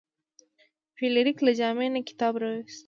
فلیریک له جامې نه کتاب راویوست.